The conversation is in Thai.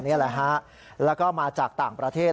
นี่แหละฮะแล้วก็มาจากต่างประเทศ